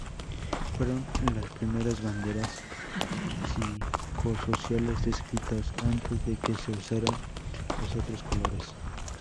Fueron las primeras banderas psicosociales descritas, antes de que se usaran los otros colores.